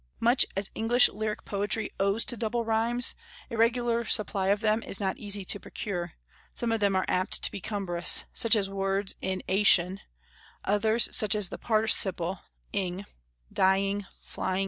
Much as English lyric poetry owes to double rhymes, a regular supply of them is not easy to procure; some of them are apt to be cumbrous, such as words in ATION; others, such as the participial ING (DYING, FLYING, &c.)